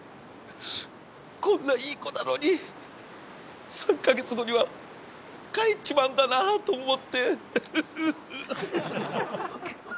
こんないい子なのに３か月後には帰っちまうんだなあと思ってううっ！